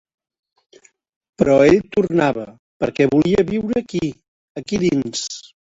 Però ell tornava, perquè volia viure aquí, aquí dins.